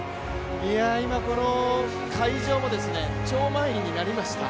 いや、今この会場も超満員になりました。